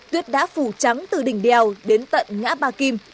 tuyết đã phủ trắng từ đỉnh đèo đến tận ngã ba kim